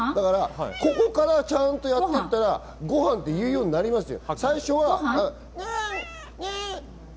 ここからちゃんとやっていたら、ご飯って言うようになりますよ。